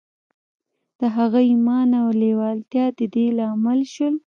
د هغه ايمان او لېوالتیا د دې لامل شول.